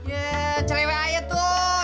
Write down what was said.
ya cerewek aja tuh